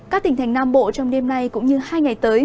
các tỉnh thành nam bộ trong đêm nay cũng như hai ngày tới